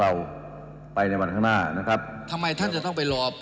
แล้วท่านทำมันรอ